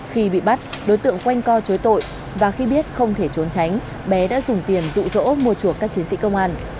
khi bị bắt đối tượng quanh co chối tội và khi biết không thể trốn tránh bé đã dùng tiền rụ rỗ mua chuộc các chiến sĩ công an